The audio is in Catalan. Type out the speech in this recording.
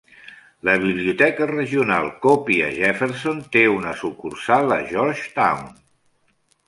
La biblioteca regional Copiah-Jefferson té una sucursal a Georgetown.